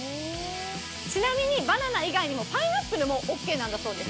ちなみにバナナ以外にパイナップルもオーケーなんだそうです。